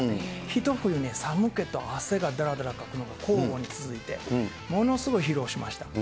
一冬、寒気と汗がだらだらかくのが交互に続いて、ものすごい苦労しました。